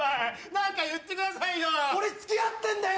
何か言ってくださいよ俺つきあってんだよ